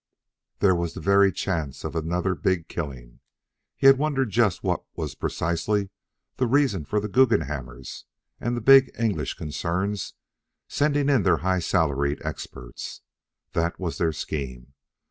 There was the very chance for another big killing. He had wondered just what was precisely the reason for the Guggenhammers and the big English concerns sending in their high salaried experts. That was their scheme.